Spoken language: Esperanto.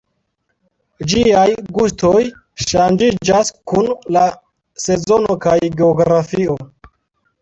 Ĝiaj gustoj ŝanĝiĝas kun la sezono kaj geografio.